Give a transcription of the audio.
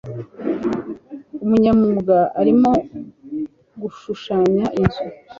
Umunyamwuga arimo gushushanya inzu.